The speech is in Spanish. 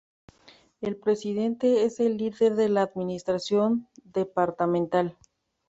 El presidente es el líder de la administración departamental.